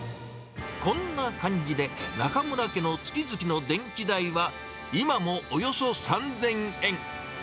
こんな感じで、中邑家の月々の電気代は、今もおよそ３０００円。